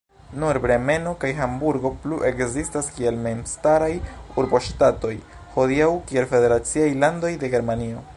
Nur Bremeno kaj Hamburgo plu-ekzistas kiel memstaraj urboŝtatoj, hodiaŭ kiel federaciaj landoj de Germanio.